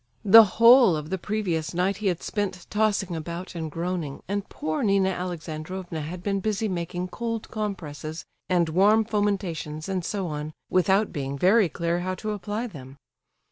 The whole of the previous night he had spent tossing about and groaning, and poor Nina Alexandrovna had been busy making cold compresses and warm fomentations and so on, without being very clear how to apply them.